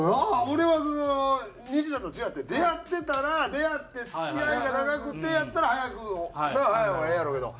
俺はその西田と違って出会ってたら出会って付き合いが長くてやったら早く早い方がええやろうけど。